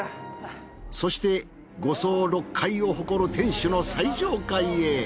そして５層６階を誇る天守の最上階へ。